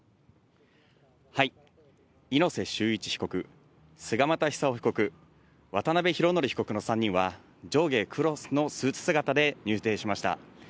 猪瀬修一被告、菅又久雄被告、渡辺浩典被告の３人は上下黒のスーツ姿で入廷しました。